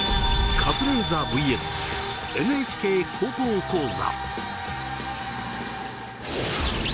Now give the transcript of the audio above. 「カズレーザーｖｓ．ＮＨＫ高校講座」